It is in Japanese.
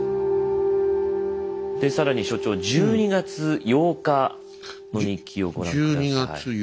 で更に所長１２月８日の日記をご覧下さい。